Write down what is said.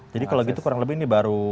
jadi kalau gitu kurang lebih ini baru